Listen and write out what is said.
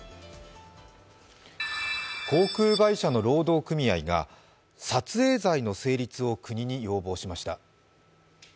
航空会社の労働組合が撮影罪の成立を国に要望しました。